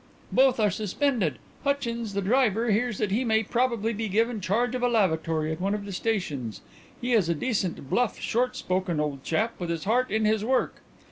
"Both are suspended. Hutchins, the driver, hears that he may probably be given charge of a lavatory at one of the stations. He is a decent, bluff, short spoken old chap, with his heart in his work.